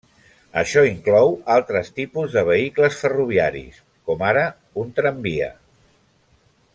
Això inclou altres tipus de vehicles ferroviaris, com ara un tramvia.